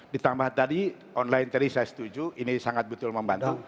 ditambah tadi online tadi saya setuju ini sangat betul membantu